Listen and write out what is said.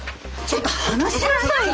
ちょっと離しなさい。